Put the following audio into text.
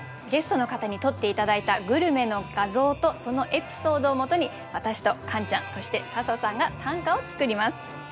ゲストの方に撮って頂いたグルメの画像とそのエピソードをもとに私とカンちゃんそして笹さんが短歌を作ります。